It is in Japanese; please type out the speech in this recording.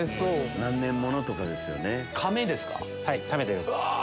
何年物とかですよね。